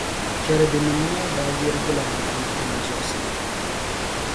Chɛrubinim’ maa daa yirigila bɛ kpiŋkpama zuɣusaa.